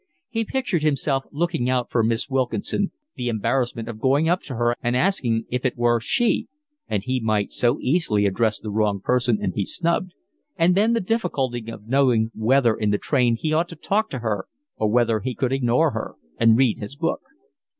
He pictured himself looking out for Miss Wilkinson, the embarrassment of going up to her and asking if it were she (and he might so easily address the wrong person and be snubbed), and then the difficulty of knowing whether in the train he ought to talk to her or whether he could ignore her and read his book.